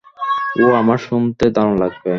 ওহ, আমার শুনতে দারুণ লাগবে।